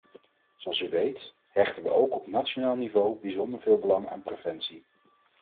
Zoals u weet, hechten we ook op nationaal niveau bijzonder veel belang aan preventie.